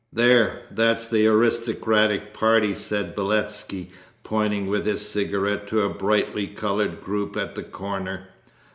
'There, that's the aristocratic party,' said Beletski, pointing with his cigarette to a brightly coloured group at the corner.